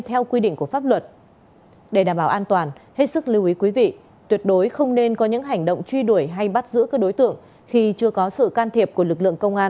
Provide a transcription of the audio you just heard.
theo quy định của pháp luật để đảm bảo an toàn hết sức lưu ý quý vị tuyệt đối không nên có những hành động truy đuổi hay bắt giữ các đối tượng khi chưa có sự can thiệp của lực lượng công an